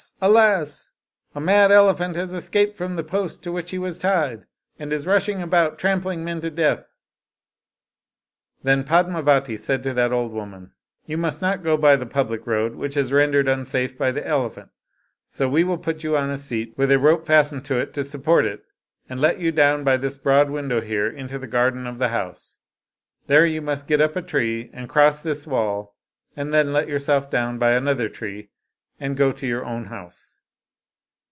Alas! a mad ele phant has escaped from the post to which he was tied, and is rushing about, trampling men to death." Then Pad mavati said to that old woman, " You must not go by the public road, which is rendered unsafe by the elephant, so we will put you on a seat, with a rope fastened to it to sup port it, and let you down by this broad window here into the garden of the house ; there you must get up a tree and cross this wall, and then let yourself down by another tree and go to your own house."